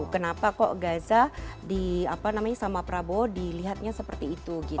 kenapa kok gaza sama prabowo dilihatnya seperti itu gitu